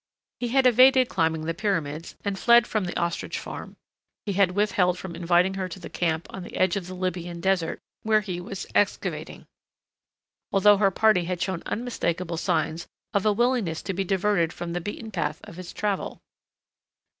He had evaded climbing the Pyramids and fled from the ostrich farm. He had withheld from inviting her to the camp on the edge of the Libyan desert where he was excavating, although her party had shown unmistakable signs of a willingness to be diverted from the beaten path of its travel.